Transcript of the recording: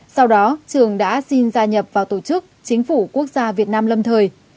sau đó trường đã xin gia nhập vào tổ chức chính phủ quốc gia việt nam lâm thời